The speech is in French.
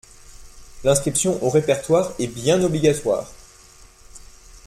L’inscription au répertoire est bien obligatoire.